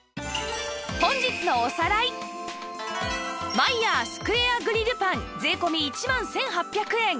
マイヤースクエアグリルパン税込１万１８００円